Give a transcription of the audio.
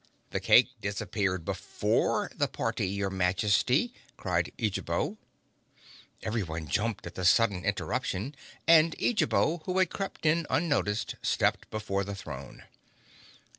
"The cake disappeared before the party, your Majesty!" cried Eejabo. Everyone jumped at the sudden interruption, and Eejabo, who had crept in unnoticed, stepped before the throne.